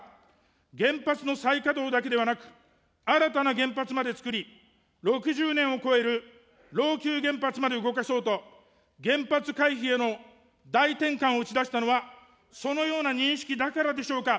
原発の再稼働だけではなく、新たな原発まで造り、６０年を超える老朽原発まで動かそうと、原発への大転換を打ち出したのは、そのような認識だからでしょうか。